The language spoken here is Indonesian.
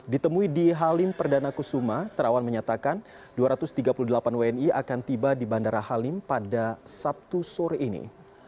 ditemui di halim perdana kusuma terawan menyatakan dua ratus tiga puluh delapan wni akan tiba di bandara halim pada sabtu sore ini